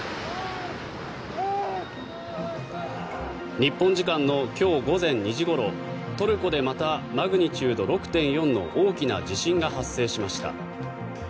日本時間の今日午前２時ごろトルコでまたマグニチュード６．４の大きな地震が発生しました。